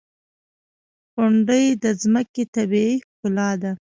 • غونډۍ د ځمکې طبیعي ښکلا ده.